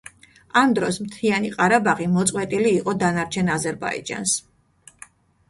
ამ დროს, მთიანი ყარაბაღი მოწყვეტილი იყო დანარჩენ აზერბაიჯანს.